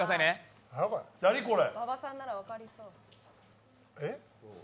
何これ？